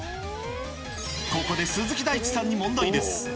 ここで鈴木大地さんに問題です。